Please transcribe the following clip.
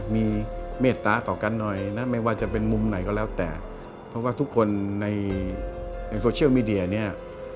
มีเมตตาต่อกันหน่อยนะไม่ว่าจะเป็นมุมไหนก็แล้วแต่เพราะว่าทุกคนในในโซเชียลมีเดียเนี่ย